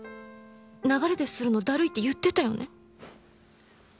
流れでするのだるいって言ってたよね？